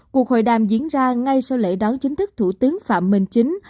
cuộc hội đàm diễn ra ngay sau lễ đón chính thức thủ tướng phạm minh chính